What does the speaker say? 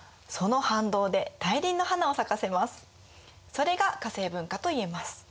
それが化政文化といえます。